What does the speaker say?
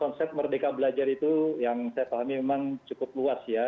konsep merdeka belajar itu yang saya pahami memang cukup luas ya